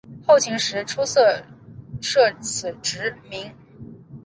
后秦时初设此职名。